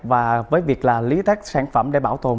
và với việc lý tác sản phẩm để bảo tồn